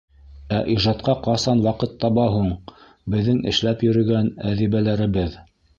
Ә ижадҡа ҡасан ваҡыт таба һуң беҙҙең эшләп йөрөгән әҙибәләребеҙ?